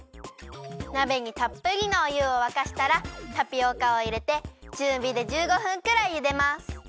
なべにたっぷりのおゆをわかしたらタピオカをいれてちゅうびで１５分くらいゆでます。